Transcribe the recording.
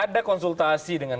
ada konsultasi dengan